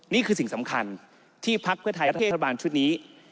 นี่คือสิ่งสำคัญที่ภัครภัยรัฐเทพฯรัฐบาลชุดนี้